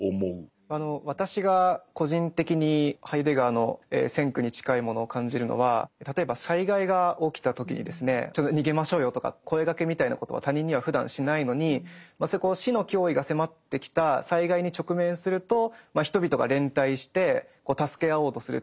私が個人的にハイデガーの「先駆」に近いものを感じるのは例えば災害が起きた時にですねちょっと逃げましょうよとか声がけみたいなことは他人にはふだんしないのに死の脅威が迫ってきた災害に直面すると人々が連帯して助け合おうとする。